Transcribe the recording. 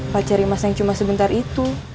pacar imas yang cuma sebentar itu